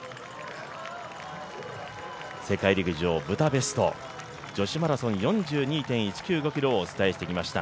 世界陸上ブダペスト女子マラソン４２．１９５ｋｍをお伝えしました。